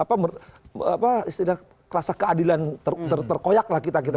apa istilahnya keadilan terkoyak lah kita